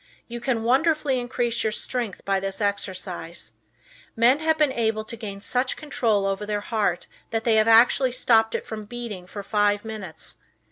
You can wonderfully increase your strength by this exercise. Men have been able to gain such control over the heart that they have actually stopped it from beating for five minutes.